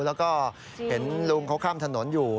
แล้วก็เห็นลุงเขาข้ามถนนอยู่